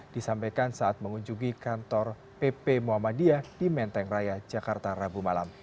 disampaikan saat mengunjungi kantor pp muhammadiyah di menteng raya jakarta rabu malam